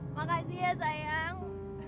makasih ya sayang